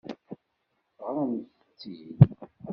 Ɣṛemt-t-id.